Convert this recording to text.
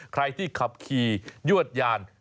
ใครที่ขับขี่ยวดยาน